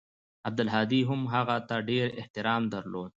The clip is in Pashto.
عبدالهادي هم هغه ته ډېر احترام درلود.